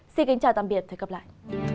xin kính chào tạm biệt và hẹn gặp lại